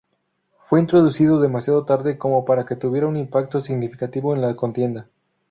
Fue introducido demasiado tarde como para que tuviera un impacto significativo en la contienda.